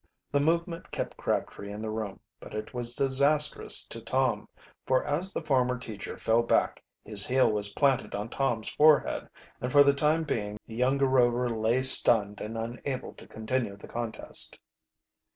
The movement kept Crabtree in the room, but it was disastrous to Tom, for as the former teacher fell back his heel was planted on Tom's forehead, and for the time being the younger Rover lay stunned and unable to continue the contest.